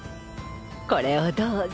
これをどうぞ。